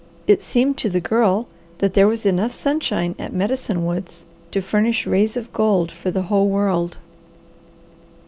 It seemed to the Girl that there was enough sunshine at Medicine Woods to furnish rays of gold for the whole world.